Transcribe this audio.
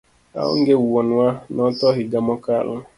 Aonge wuonwa, notho higa mokalo